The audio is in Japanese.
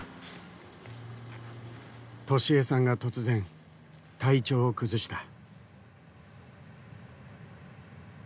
登志枝さんが突然体調を崩した。